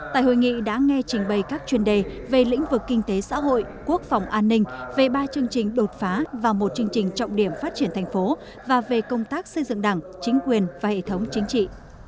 tại hội nghị đã nghe trình bày các chuyên đề về lĩnh vực kinh tế xã hội quốc phòng an ninh về ba chương trình đột phá và một chương trình trọng điểm phát triển thành phố và về công tác xây dựng đảng chính quyền và hệ thống chính trị